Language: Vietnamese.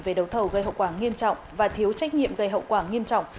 về đấu thầu gây hậu quả nghiêm trọng và thiếu trách nhiệm gây hậu quả nghiêm trọng